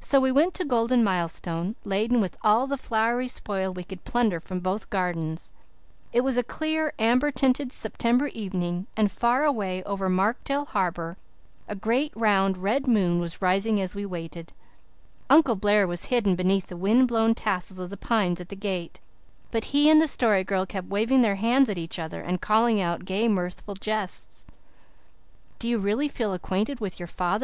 So we went to Golden Milestone, laden with all the flowery spoil we could plunder from both gardens. It was a clear amber tinted September evening and far away, over Markdale Harbour, a great round red moon was rising as we waited. Uncle Blair was hidden behind the wind blown tassels of the pines at the gate, but he and the Story Girl kept waving their hands at each other and calling out gay, mirthful jests. "Do you really feel acquainted with your father?"